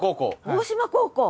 大島高校。